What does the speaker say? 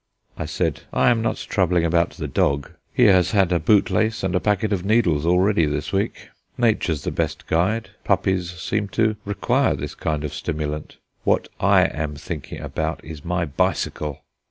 I said: "I am not troubling about the dog. He has had a bootlace and a packet of needles already this week. Nature's the best guide; puppies seem to require this kind of stimulant. What I am thinking about is my bicycle."